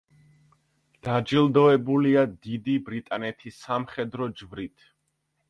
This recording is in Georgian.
დაჯილდოებულია დიდი ბრიტანეთის სამხედრო ჯვრით.